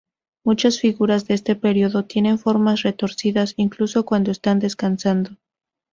Muchas figuras de este período tienen formas retorcidas incluso cuando están descansando.